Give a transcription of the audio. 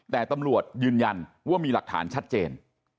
แต่ตำรวจยืนยันว่ามีหลักฐานชัดเจน